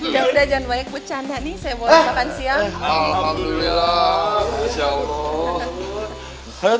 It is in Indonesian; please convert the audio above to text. ya gak apa apa teh